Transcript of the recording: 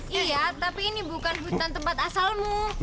iya tapi ini bukan hutan tempat asalmu